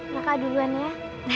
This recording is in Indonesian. maka duluan ya